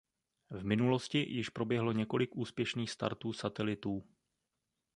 V minulosti již proběhlo několik úspěšných startů satelitů.